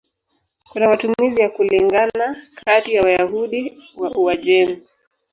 Kuna matumizi ya kulingana kati ya Wayahudi wa Uajemi.